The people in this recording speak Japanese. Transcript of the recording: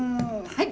はい！